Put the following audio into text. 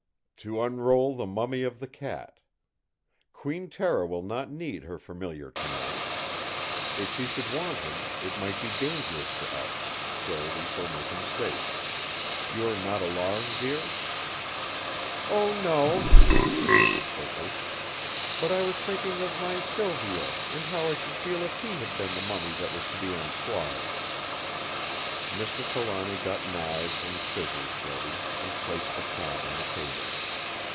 "To unroll the mummy of the cat! Queen Tera will not need her Familiar tonight. If she should want him, it might be dangerous to us; so we shall make him safe. You are not alarmed, dear?" "Oh no!" she answered quickly. "But I was thinking of my Silvio, and how I should feel if he had been the mummy that was to be unswathed!" Mr. Trelawny got knives and scissors ready, and placed the cat on the table.